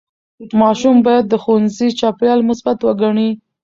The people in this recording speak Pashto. ماشوم باید د ښوونځي چاپېریال مثبت وګڼي.